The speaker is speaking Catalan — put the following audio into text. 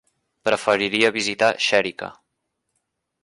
Preferiria visitar Xèrica.